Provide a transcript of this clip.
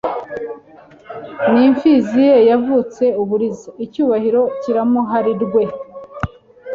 ni impfizi ye yavutse uburiza: icyubahiro kiramuharirwe!